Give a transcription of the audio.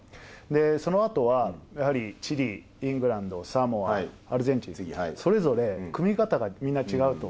そのあとは、やはりチリ、イングランド、サモア、アルゼンチン、それぞれ組み方がみんな違うと。